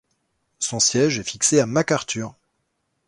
Son siège est fixé à McArthur.